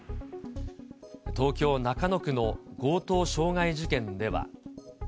東京・中野区の強盗傷害事件では。